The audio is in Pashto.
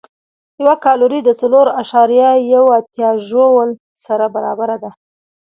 یوه کالوري د څلور اعشاریه یو اتیا ژول سره برابره ده.